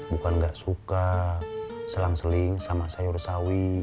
bukan gak suka selang seling sama sayur sawi